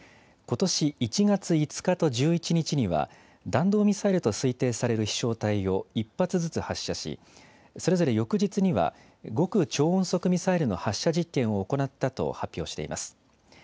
ことし１月５日と１１日には、弾道ミサイルと推定される飛しょう体を１発ずつ発射し、それぞれ翌日には、極超音速ミサイルの発射実験を行ったと発表しています。